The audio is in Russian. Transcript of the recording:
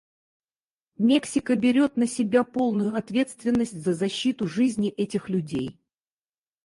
Мексика берет на себя полную ответственность за защиту жизни этих людей.